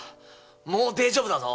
もう大丈夫だぞ。